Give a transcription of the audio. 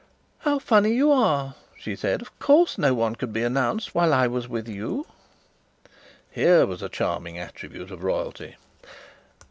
"How funny you are," she said. "Of course no one could be announced while I was with you." Here was a charming attribute of royalty!